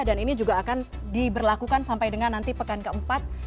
dan ini juga akan diberlakukan sampai dengan nanti pekan keempat